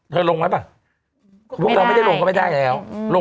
เธอลงไว้ป่ะลงไว้ป่ะพวกเราไม่ได้ลงก็ไม่ได้แล้ว